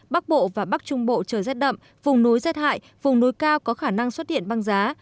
bắc bộ và bắc trung bộ trời rét đậm vùng núi rét hại vùng núi cao có khả năng xuất hiện băng giá